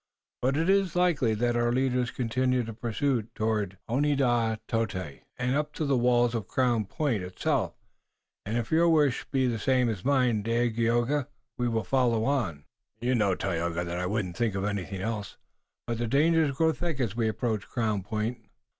But it is likely that our leaders continued the pursuit toward Oneadatote and up to the walls of Crown Point itself. And if your wish be the same as mine, Dagaeoga, we will follow on." "You know, Tayoga, that I wouldn't think of anything else." "But the dangers grow thick as we approach Crown Point."